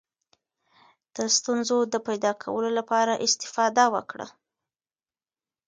د ستونزو د پیدا کولو لپاره استفاده وکړه.